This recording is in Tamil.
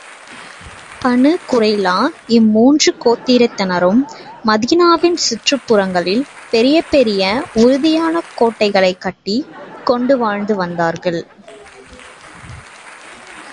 பனூ குறைலா இம்முன்று கோத்திரத்தினரும் மதீனாவின் சுற்றுப்புறங்களில் பெரிய பெரிய உறுதியான கோட்டைகளைக் கட்டிக் கொண்டு வாழ்ந்து வந்தார்கள்.